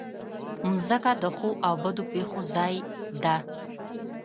مځکه د ښو او بدو پېښو ځای ده.